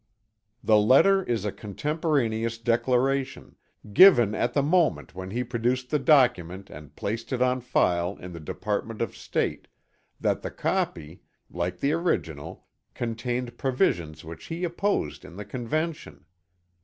The letter is a contemporaneous declaration, given at the moment when he produced the document and placed it on file in the Department of State, that the copy, like the original, contained provisions which he opposed in the Convention.